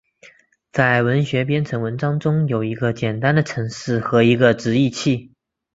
在文学编程文章中有一个简单的程式和一个直译器。